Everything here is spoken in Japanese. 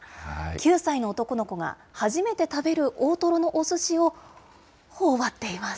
９歳の男の子が、初めて食べる大トロのおすしをほおばっています。